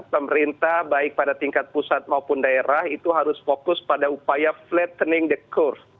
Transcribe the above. pemerintah baik pada tingkat pusat maupun daerah itu harus fokus pada upaya flattening the curve